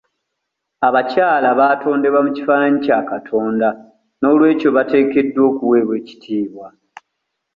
Abakyala baatondebwa mu kifaananyi kya Katonda n'olwekyo bateekeddwa okuweebwa ekitiibwa.